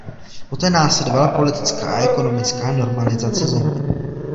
Poté následovala politická a ekonomická „normalizace“ země.